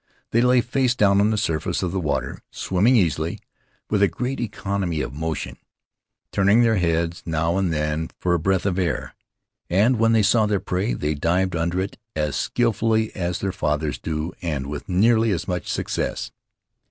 They lay face down on the surface of the water, swimming easily, with a great economy of motion, turning their heads now and then for a breath of air; and when they saw their prey they dived after it as skillfully as their fathers do and with nearly as much success.